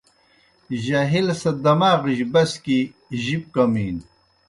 جاہل سہ دماغِجیْ بسکیْ جِب کمِینوْ